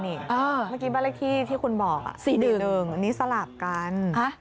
เมื่อกี้บ้านเลขที่ที่คุณบอก๔๑๑อันนี้สลับกัน